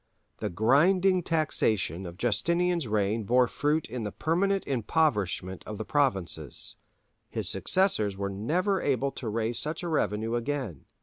The grinding taxation of Justinian's reign bore fruit in the permanent impoverishment of the provinces: his successors were never able to raise such a revenue again.